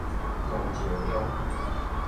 尖石鄉